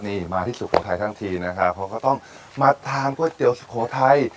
นี่มาที่สุโขทัยทั้งทีนะคะเขาก็ต้องมาทานก๋วยเตี๋ยวสุโขทัย